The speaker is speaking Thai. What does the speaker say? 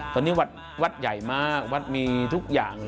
ตอนนี้วัดใหญ่มากวัดมีทุกอย่าง